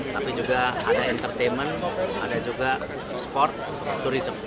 tapi juga ada entertainment ada juga sport tourism